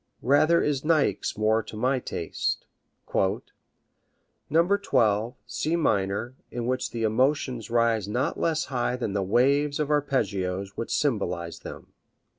Rather is Niecks more to my taste: "No. 12, C minor, in which the emotions rise not less high than the waves of arpeggios which symbolize them."